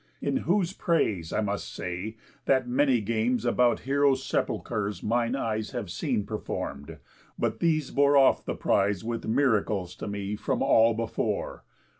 In whose praise I must say that many games About heroës' sepulchres mine eyes Have seen perform'd, but these bore off the prize With miracles to me from all before.